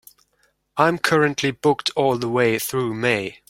I'm currently booked all the way through May.